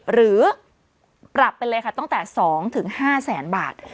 หรือปรับไปเลยค่ะตั้งแต่๒๕แสนบาท